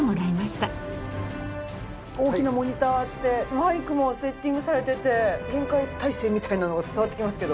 大きなモニターあってマイクもセッティングされてて厳戒態勢みたいなのが伝わってきますけど。